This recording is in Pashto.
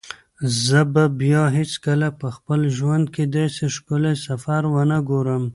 زه به بیا هیڅکله په خپل ژوند کې داسې ښکلی سفر ونه ګورم.